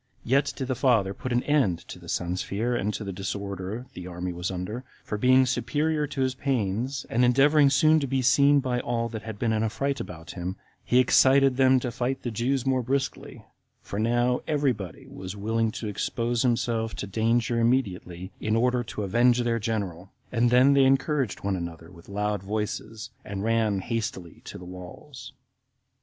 Yet did the father soon put an end to the son's fear, and to the disorder the army was under, for being superior to his pains, and endeavoring soon to be seen by all that had been in a fright about him, he excited them to fight the Jews more briskly; for now every body was willing to expose himself to danger immediately, in order to avenge their general; and then they encouraged one another with loud voices, and ran hastily to the walls.